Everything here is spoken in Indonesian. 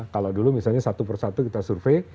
kalau dulu misalnya satu persatu kita survei